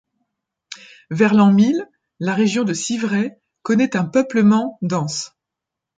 Vers l'an mil, la région de Civray connaît un peuplement dense.